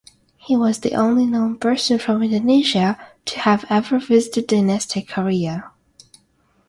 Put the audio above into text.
He was the only known person from Indonesia to have ever visited dynastic Korea.